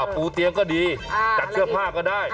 ปูเตียงก็ดีจัดเสื้อผ้าก็ได้